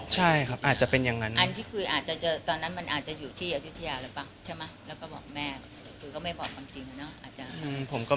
อ๋อคงกลับพระเทศไปถึงคอนโด